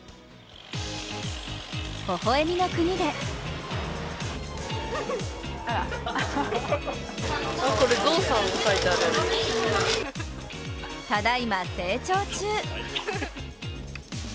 微笑みの国でただいま成長中。